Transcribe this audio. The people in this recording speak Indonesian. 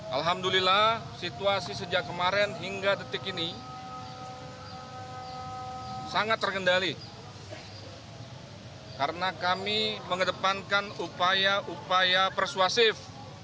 alhamdulillah situasi sejak kemarin hingga detik ini sangat terkendali karena kami mengedepankan upaya upaya persuasif